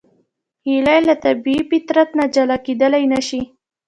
هیلۍ له طبیعي فطرت نه جلا کېدلی نشي